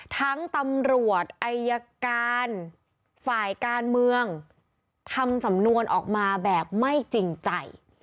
ตำรวจอายการฝ่ายการเมืองทำสำนวนออกมาแบบไม่จริงใจ